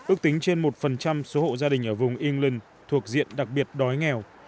ước tính trên một số hộ gia đình ở vùng england thuộc diện đặc biệt đói nghèo